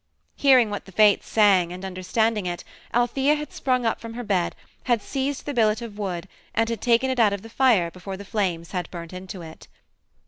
Hearing what the Fates sang and understanding it Althæa had sprung up from her bed, had seized the billet of wood, and had taken it out of the fire before the flames had burnt into it.